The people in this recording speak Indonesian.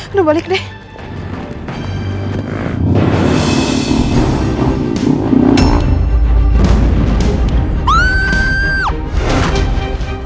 aduh balik deh